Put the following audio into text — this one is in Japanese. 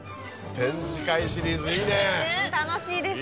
展示会シリーズいいね。